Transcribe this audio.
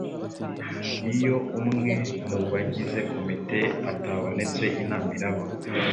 iyo umwe mu bagize komite atabonetse inama iraba